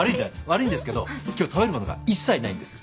悪いんですけど今日食べるものが一切ないんです。